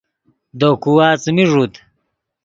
دے کھوا څیمی ݱوت